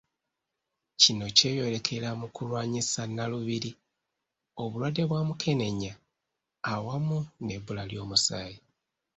Kino kyeyolekera mu kulwanyisa Nnalubiri, obulwadde bwa Mukenenya awamu n’ebbula ly’omusaayi.